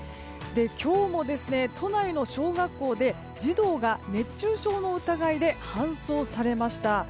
今日も都内の小学校で児童が熱中症の疑いで搬送されました。